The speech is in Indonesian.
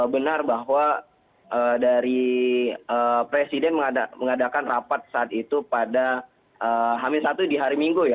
benar bahwa dari presiden mengadakan rapat saat itu pada h satu di hari minggu ya